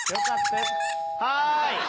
はい！